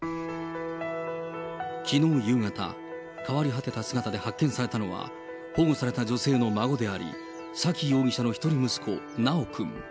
きのう夕方、変わり果てた姿で発見されたのは、保護された女性の孫であり、沙喜容疑者の一人息子、修くん。